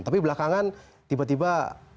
tapi belakangan tiba tiba